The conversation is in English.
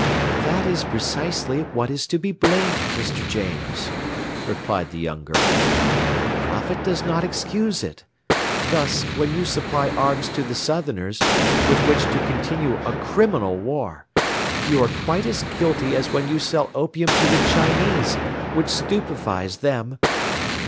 "That is precisely what is to be blamed, Mr. James," replied the young girl; "profit does not excuse it; thus, when you supply arms to the Southerners, with which to continue a criminal war, you are quite as guilty as when you sell opium to the Chinese, which stupefies them."